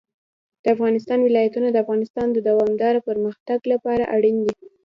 د افغانستان ولايتونه د افغانستان د دوامداره پرمختګ لپاره اړین دي.